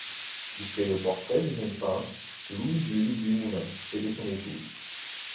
Il fait le portrait du jeune peintre Louis-Jules Dumoulin et de son épouse.